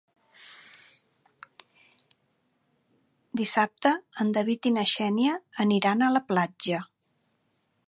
Dissabte en David i na Xènia aniran a la platja.